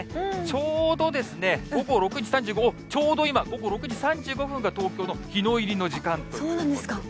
ちょうど午後６時３５分、ちょうど今、午後６時３５分が東京の日の入りの時間ということで。